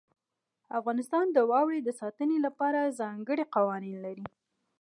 افغانستان د واورې د ساتنې لپاره ځانګړي قوانین لري.